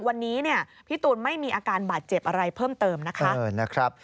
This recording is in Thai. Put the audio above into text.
วันนี้เนี่ยพี่ตูนไม่มีอาการบาดเจ็บอะไรเพิ่มเติมนะคะ